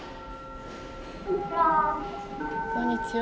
こんにちは。